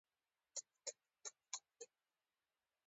ميرويس خان پر زينو وخوت.